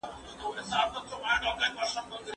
کتابونه وليکه.